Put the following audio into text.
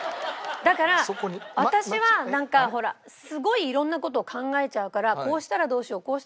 だから私はなんかほらすごい色んな事を考えちゃうからこうしたらどうしよう